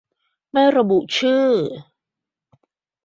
ไม่ระบุชื่อ